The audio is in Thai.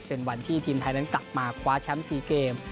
เป็นวันที่ทีมไทยนั้นกลับมาคว้าแชมป์๔เกม